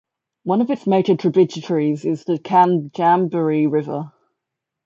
One of its major tributaries is the Canjambari River.